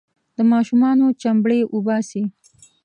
د ماشومانو چمبړې وباسي.